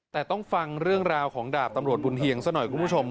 แต่ต้องฟังเรื่องราวของดาบตำรวจบุญเฮียงซะหน่อยคุณผู้ชม